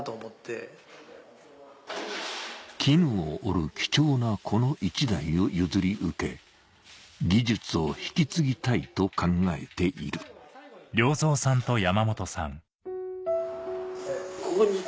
絹を織る貴重なこの１台を譲り受け技術を引き継ぎたいと考えているだから。